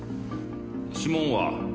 指紋は？